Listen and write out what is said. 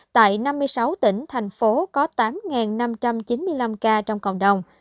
tại năm mươi sáu tỉnh thành phố có tám năm trăm chín mươi năm ca trong cộng đồng